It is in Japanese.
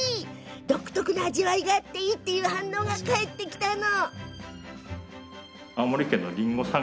独特の味わいがあっていいという反応が返ってきました。